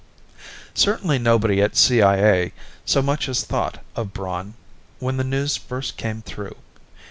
Certainly nobody at CIA so much as thought of Braun when the news first came through.